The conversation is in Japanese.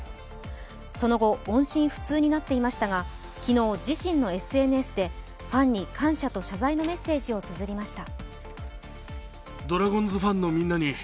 その後、音信不通になっていましたが昨日、自身のＳＮＳでファンに感謝と謝罪のメッセージをつづりました。